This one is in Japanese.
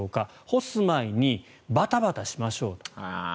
干す前に、バタバタしましょう。